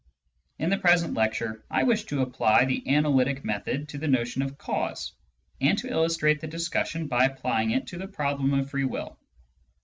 In the present lecture, I wish to apply the analytic method to the notion of " cause," and to illustrate the discussion by applying it to the problem of free will.